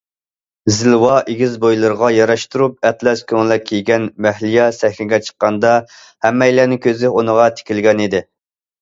زىلۋا، ئېگىز بويلىرىغا ياراشتۇرۇپ ئەتلەس كۆڭلەك كىيگەن مەھلىيا سەھنىگە چىققاندا ھەممەيلەننىڭ كۆزى ئۇنىڭغا تىكىلگەنىدى.